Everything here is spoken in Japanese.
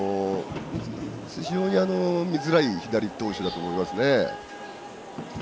非常に見づらい左投手だと思いますね。